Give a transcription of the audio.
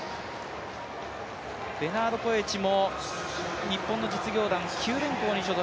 ベナード・コエチも日本の実業団、九電工に所属。